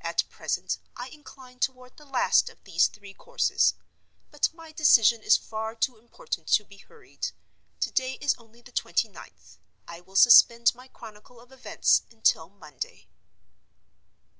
At present I incline toward the last of these three courses. But my decision is far too important to be hurried. To day is only the twenty ninth. I will suspend my Chronicle of Events until Monday.